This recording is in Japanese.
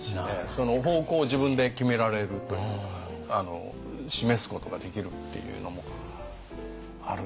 その方向を自分で決められるというか示すことができるっていうのもあるんじゃ。